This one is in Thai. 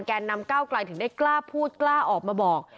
นำก้าวไกลถึงได้กล้าพูดกล้าออกมาบอก